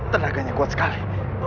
tenaganya kuat sekali